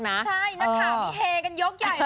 ใช่นักคามมีเฮกันยกใหญ่เลยสกะ